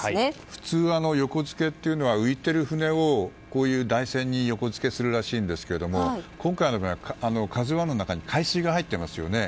普通は横付けというのは浮いている船をこういう台船に横付けするらしいんですが今回の場合は「ＫＡＺＵ１」の中海水が入っていますよね。